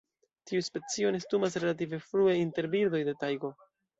Tiu specio nestumas relative frue inter birdoj de Tajgo.